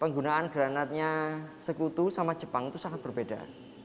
penggunaan granatnya sekutu sama jepang itu sangat berbeda